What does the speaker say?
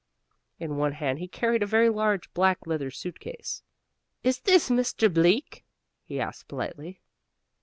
In one hand he carried a very large black leather suit case. "Is this Mr. Bleak?" he asked politely.